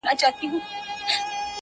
o ولي مي هره شېبه، هر ساعت پر اور کړوې،